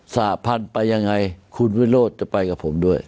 หพันธุ์ไปยังไงคุณวิโรธจะไปกับผมด้วย